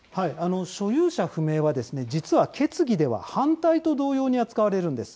所有者不明は実は決議では反対と同様に扱われるんです。